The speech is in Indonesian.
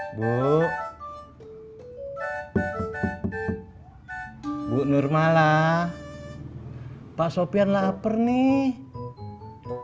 masa sama anak sendiri kagak percaya